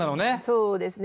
そうですね。